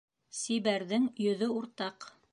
Сибәрҙең йөҙө уртаҡ